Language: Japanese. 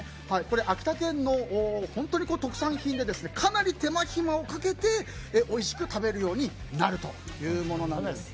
秋田県の本当に特産品でかなり手間ひまをかけておいしく食べるようになるというものなんです。